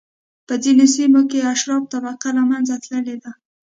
په ځینو سیمو کې اشراف طبقه له منځه تللې ده.